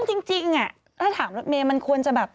จริงถ้าถามรถเมย์มันควรจะแบบ